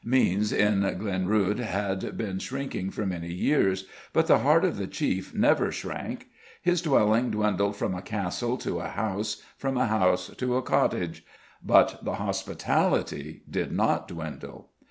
Means in Glenruadh had been shrinking for many years, but the heart of the chief never shrank. His dwelling dwindled from a castle to a house, from a house to a cottage; but the hospitality did not dwindle.